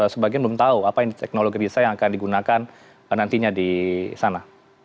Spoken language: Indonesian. sebagian belum tahu apa ini teknologi riset yang akan digunakan nantinya di sana